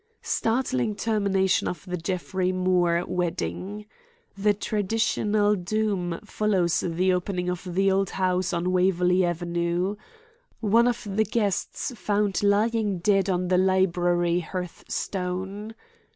"STARTLING TERMINATION OF THE JEFFREY MOORE WEDDING. THE TRADITIONAL DOOM FOLLOWS THE OPENING OF THE OLD HOUSE ON WAVERLEY AVENUE. ONE OF THE GUESTS FOUND LYING DEAD ON THE LIBRARY HEARTHSTONE.